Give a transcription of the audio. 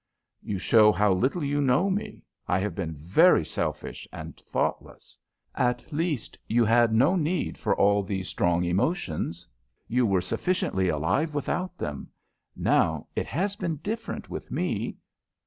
"You show how little you know me. I have been very selfish and thoughtless." "At least you had no need for all these strong emotions. You were sufficiently alive without them. Now it has been different with me."